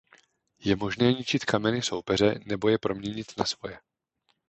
Je možné ničit kameny soupeře nebo je proměnit na svoje.